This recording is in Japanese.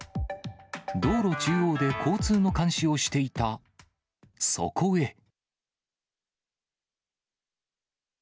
道路中央で交通の監視をしていた、そこへ。